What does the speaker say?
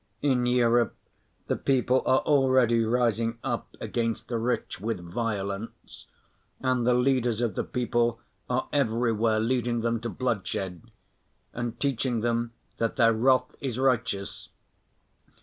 In Europe the people are already rising up against the rich with violence, and the leaders of the people are everywhere leading them to bloodshed, and teaching them that their wrath is righteous.